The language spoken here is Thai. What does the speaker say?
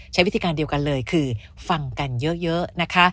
ใช้วิธีการเดียวกันเลยคือฟังกันเยอะนะคะ